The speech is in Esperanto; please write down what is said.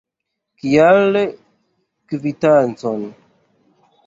Kial kvitancon?